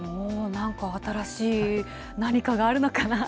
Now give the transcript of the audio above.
新しい何かがあるのかな。